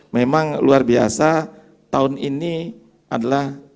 memang luar biasa tahun ini adalah